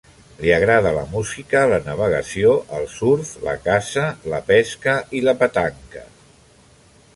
Li agrada la música, la navegació, el surf, la caça, la pesca i la petanca.